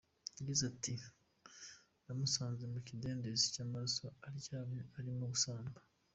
Yagize ati "Namusanze mu kidendezi cy’amaraso aryamye arimo gusamba.